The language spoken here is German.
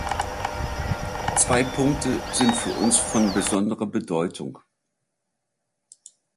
Zwei Punkte sind für uns von besonderer Bedeutung.